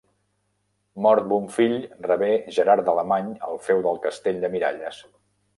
Mort Bonfill rebé Gerard d'Alemany el feu del Castell de Miralles.